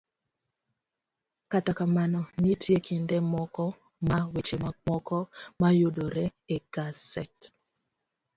Kata kamano, nitie kinde moko ma weche moko mayudore e gaset